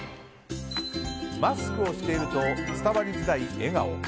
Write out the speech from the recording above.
マスクをしていると伝わりづらい笑顔。